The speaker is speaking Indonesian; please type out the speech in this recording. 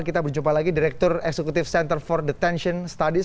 kita berjumpa lagi direktur eksekutif center for detention studies